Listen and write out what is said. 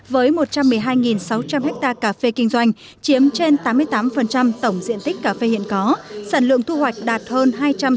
với một trăm một mươi hai sáu trăm linh ha cà phê kinh doanh chiếm trên tám mươi tám tổng diện tích cà phê hiện có sản lượng thu hoạch đạt hơn hai trăm sáu mươi bảy bốn trăm năm mươi